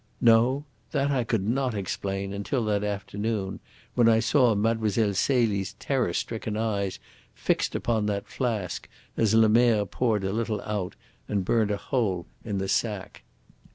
No; that I could not explain until that afternoon, when I saw Mlle. Celie's terror stricken eyes fixed upon that flask, as Lemerre poured a little out and burnt a hole in the sack.